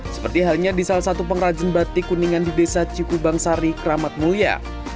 seperti halnya di salah satu pengrajin batik kuningan di desa cipu bangsari keramat mulya